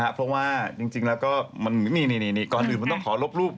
เพราะว่าจริงแล้วก็นี่ก่อนอื่นมันต้องขอลบรูป